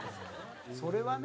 それはね。